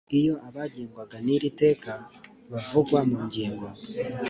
iyo abagengwa n iri teka bavugwa mu ngingo